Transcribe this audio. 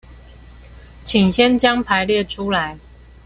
請先將排列出來